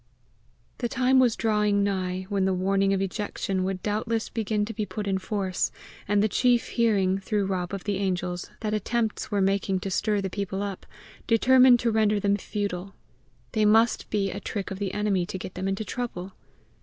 The time was drawing nigh when the warning of ejection would doubtless begin to be put in force; and the chief hearing, through Rob of the Angels, that attempts were making to stir the people up, determined to render them futile: they must be a trick of the enemy to get them into trouble!